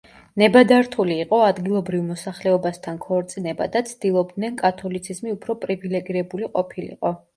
ნებადართული იყო ადგილობრივ მოსახლეობასთან ქორწინება და ცდილობდნენ კათოლიციზმი უფრო პრივილეგირებული ყოფილიყო.